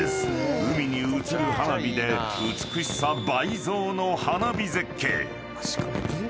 ［海に映る花火で美しさ倍増の花火絶景］